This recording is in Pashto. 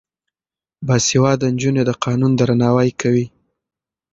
باسواده نجونې د قانون درناوی کوي.